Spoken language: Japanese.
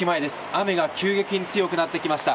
雨が急激に強くなってきました。